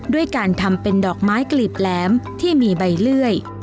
ด้วยการทำเป็นดอกไม้กลีบแหลมที่มีใบเลื่อย